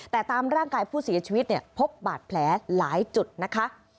แต่ตามร่างกายผู้เสียชีวิตเนี่ยพบบาดแผลหลายจุดนะคะ